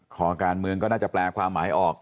ขอการเมืองก็น่าจะแปลความหมายออก